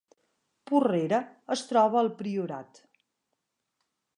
Porrera es troba al Priorat